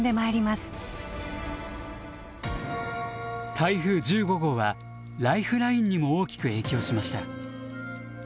台風１５号はライフラインにも大きく影響しました。